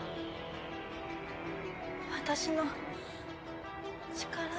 私の力？